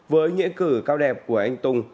với nhễ cử cao đẹp của anh tùng